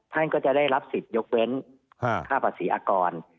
ท่านก็จะได้รับสิทธิ์ยกเว้นค่าภาษีอากร